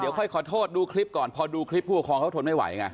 ค่อยขอโทษดูคลิปก่อนพอดูคลิปผู้ปกครองเขาทนไม่ไหวไง